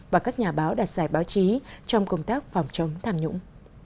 và các nhà báo đặt giải báo chí trong công tác phòng chống thảm nhũng